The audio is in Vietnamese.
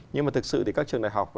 nhưng mà thực sự thì các trường đại học